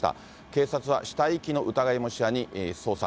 警察は死体遺棄の疑いも視野に捜査。